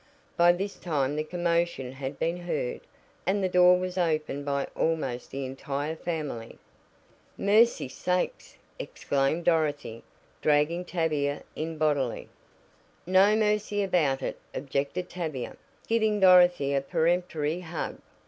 By this time the commotion had been heard, and the door was opened by almost the entire family. "Mercy sakes!" exclaimed Dorothy, dragging Tavia in bodily. "No mercy about it," objected Tavia, giving Dorothy a peremptory hug.